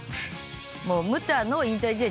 ムタの引退試合